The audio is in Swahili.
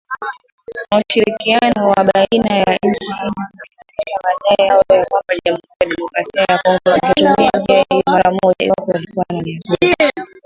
Na ushirikiano wa baina ya nchi ili kuthibitisha madai hayo na kwamba Jamuhuri ya Kidemokrasia ya Kongo ingetumia njia hiyo mara moja iwapo walikuwa na nia nzuri”